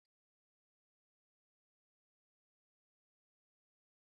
তিনি উটের যুদ্ধে আলী বিরুদ্ধে যুদ্ধ করেন।